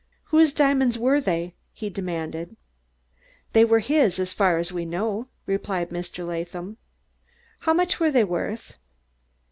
"Whose diamonds were they?" he demanded. "They were his, as far as we know," replied Mr. Latham. "How much were they worth?"